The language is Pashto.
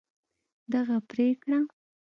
دغه پرېکړه